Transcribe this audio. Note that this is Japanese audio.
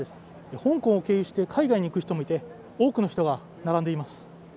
香港を経由して海外に行く人もいて、多くの人が並んでいます。